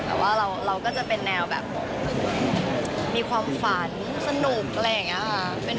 แต่ว่าเราก็จะเป็นแนวแบบมีความฝันสนุกอะไรอย่างนี้ค่ะ